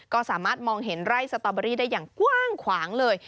ก็สามารถมองเห็นไร่สตอเบอรี่ได้อย่างกว้างขวางเลย